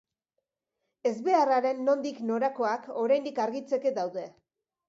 Ezbeharraren nondik norakoak oraindik argitzeke daude.